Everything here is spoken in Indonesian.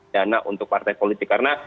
dana untuk partai politik karena